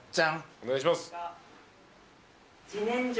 お願いします。